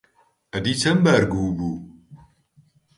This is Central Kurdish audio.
ئەدی چەند بار گوو بوو؟